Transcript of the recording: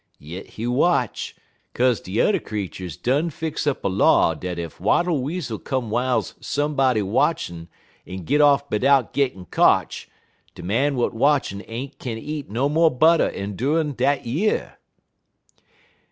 Yit he watch, 'kaze der t'er creeturs done fix up a law dat ef Wattle Weasel come w'iles somebody watchin' en git off bidout gittin' kotch, de man w'at watchin' ain't kin eat no mo' butter endurin' er dat year.